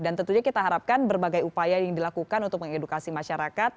dan tentunya kita harapkan berbagai upaya yang dilakukan untuk mengedukasi masyarakat